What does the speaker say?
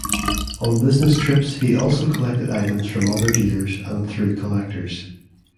On business trips he also collected items from other dealers and through collectors.